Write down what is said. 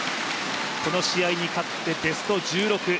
この試合に勝ってベスト１６。